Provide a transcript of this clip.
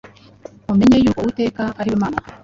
Mumenye yuko Uwiteka ari we Mana: